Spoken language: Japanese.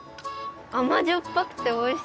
あまじょっぱくておいしい。